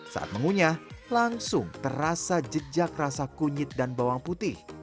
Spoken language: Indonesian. saat mengunyah langsung terasa jejak rasa kunyit dan bawang putih